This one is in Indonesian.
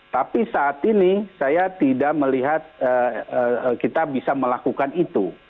tapi saat ini saya tidak melihat kita bisa melakukan itu